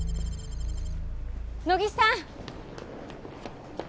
乃木さん！